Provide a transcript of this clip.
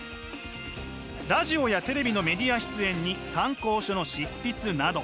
ラジオやテレビのメディア出演に参考書の執筆など。